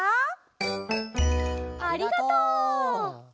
ありがとう！